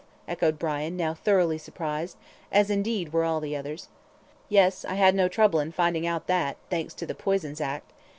echoed Brian, now thoroughly surprised, as, indeed were all the others. "Yes. I had no trouble in finding out that, thanks to the 'Poisons Act.'